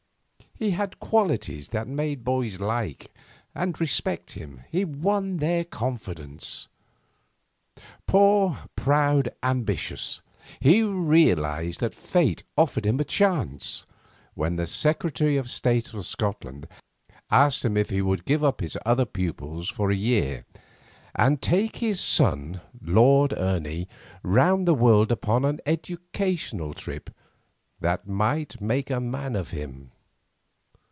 He had qualities that made boys like and respect him; he won their confidence. Poor, proud, ambitious, he realised that fate offered him a chance when the Secretary of State for Scotland asked him if he would give up his other pupils for a year and take his son, Lord Ernie, round the world upon an educational trip that might make a man of him.